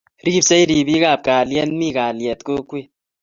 Ribsei ripikab kalyet, mi kalyet kokwet